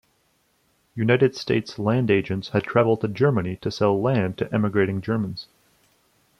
United States land agents had traveled to Germany to sell land to emigrating Germans.